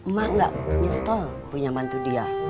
mak gak nyesel punya bantu dia